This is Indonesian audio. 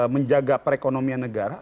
menjaga perekonomian negara